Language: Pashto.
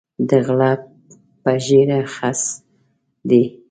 د غلۀ پۀ ږیره خس دی